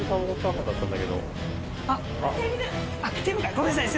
ごめんなさい。